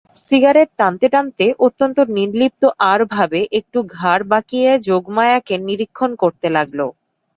Cigarette টানতে টানতে অত্যন্ত নির্লিপ্ত আড় ভাবে একটু ঘাড় বাঁকিয়ে যোগমায়াকে নিরীক্ষণ করতে লাগল।